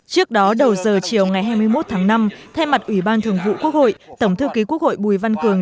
trước đó đầu giờ chiều ngày hai mươi một tháng năm thay mặt ubth tổng thư ký quốc hội bùi văn cường